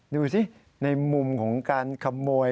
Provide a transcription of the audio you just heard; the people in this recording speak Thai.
ดูสิในมุมของการขโมย